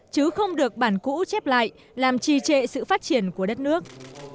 chứ không được bản cũ chép lại làm trì trệ sự phát triển của đất nước